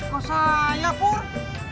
kok saya pur